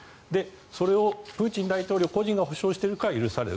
それをプーチン大統領個人が保障しているから許される。